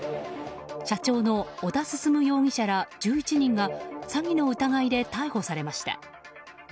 社長の小田進容疑者ら１１人が詐欺の疑いで逮捕されました。